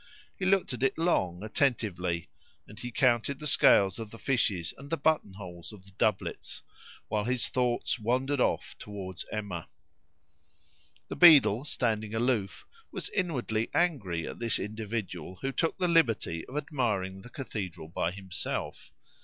He looked at it long, attentively, and he counted the scales of the fishes and the button holes of the doublets, while his thoughts wandered off towards Emma. The beadle, standing aloof, was inwardly angry at this individual who took the liberty of admiring the cathedral by himself.